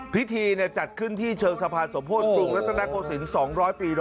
พิธีเนี่ยจัดขึ้นที่เชิงสะพานสมโภษปลูกและตระนักโกสิน๒๐๐ปี